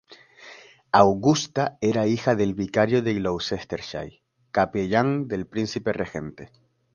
Augusta era hija del vicario de Gloucestershire, capellán del Príncipe Regente.